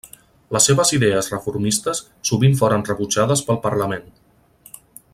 Les seves idees reformistes sovint foren rebutjades pel Parlament.